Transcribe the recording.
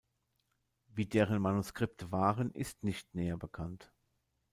Wie deren Manuskripte waren, ist nicht näher bekannt.